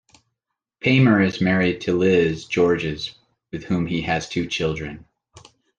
Paymer is married to Liz Georges, with whom he has two children.